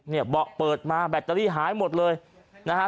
เบาะเปิดมาแบตเตอรี่หายหมดเลยนะฮะ